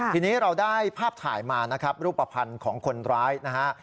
ทีนี้เราได้ภาพถ่ายมานะครับรูปภัณฑ์ของคนร้ายนะฮะ